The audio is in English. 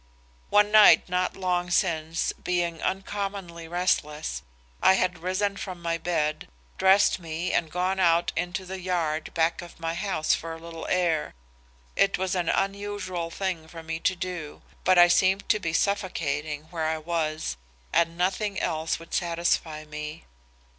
One night not long since, being uncommonly restless, I had risen from my bed, dressed me and gone out into the yard back of my house for a little air. It was an unusual thing for me to do but I seemed to be suffocating where I was, and nothing else would satisfy me.